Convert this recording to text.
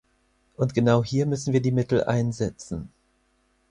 Und genau hier müssen wir die Mittel einsetzen.